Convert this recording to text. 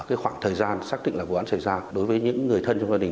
cái khoảng thời gian xác định là vụ án xảy ra đối với những người thân trong gia đình